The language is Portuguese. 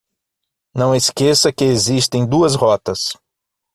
Não esqueça que existem duas rotas